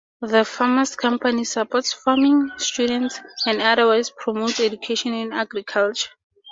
The Farmers' Company supports farming students, and otherwise promotes education in agriculture.